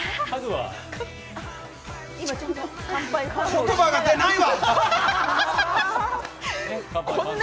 言葉が出ないわ！